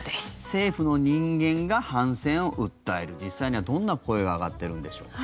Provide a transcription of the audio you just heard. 政府の人間が反戦を訴える実際にはどんな声が上がっているんでしょうか。